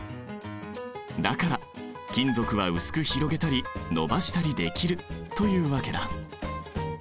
だから金属は薄く広げたり延ばしたりできるというわけだ。